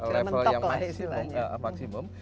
level yang maksimum